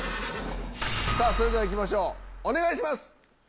それでは行きましょうお願いします！